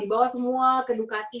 dibawa semua ke ducati